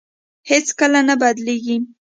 هېڅ کله نه بدلېږي.